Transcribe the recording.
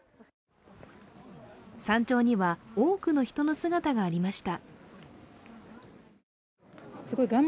山頂には多くの人の姿がありました。